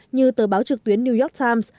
như tờ báo trực tuyến new york times